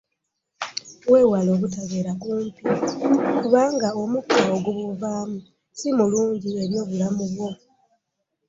Weewale obutabeera kumpi, kubanga omukka ogubuvaamu si mulungi eri obulamu bwo.